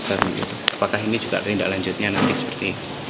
apakah ini juga tindak lanjutnya nanti